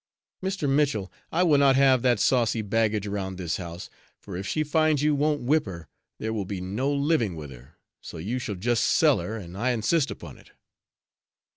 "Mr. Mitchell, I will not have that saucy baggage around this house, for if she finds you won't whip her, there will be no living with her, so you shall just sell her, and I insist upon it."